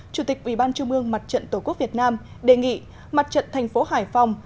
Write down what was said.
chủ tịch ủy ban trung ương mặt trận tổ quốc việt nam đề nghị mặt trận thành phố hải phòng